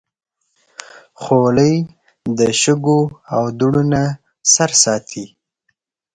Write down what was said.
خولۍ د شګو او دوړو نه سر ساتي.